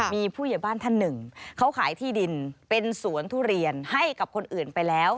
มีผู้ใหญ่บ้านท่านหนึ่งเขาขายที่ดินเป็นสวนทุเรียนให้กับคนอื่นไปแล้ว